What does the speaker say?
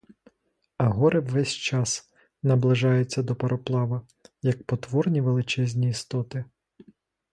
А гори ввесь час наближаються до пароплава, як потворні величезні істоти.